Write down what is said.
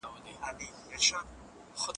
ایا تاسو د خپل کلي د سړک په جوړولو کې برخه اخلئ؟